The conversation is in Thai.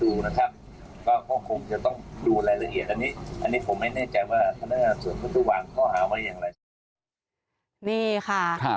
อันนี้ผมไม่แน่ใจว่าธนาคารส่วนมันจะวางข้อหาไว้อย่างไร